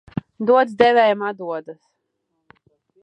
Dots devējām atdodas.